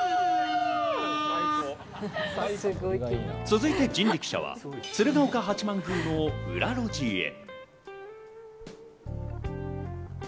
続いて人力車は鶴岡八幡宮の裏路地へ。